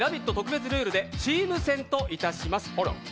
特別ルールでチーム戦といたします。